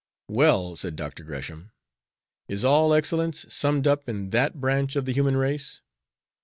"Well," said Dr. Gresham, "is all excellence summed up in that branch of the human race?"